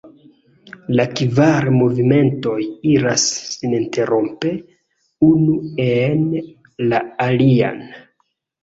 La kvar movimentoj iras seninterrompe unu en la alian.